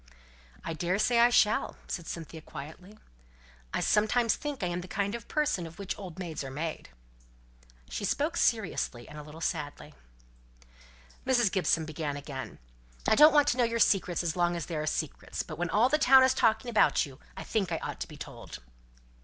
"I daresay I shall," said Cynthia, quietly. "I sometimes think I'm the kind of person of which old maids are made!" She spoke seriously, and a little sadly. Mrs. Gibson began again. "I don't want to know your secrets as long as they are secrets; but when all the town is talking about you, I think I ought to be told."